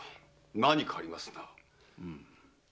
何かありますな。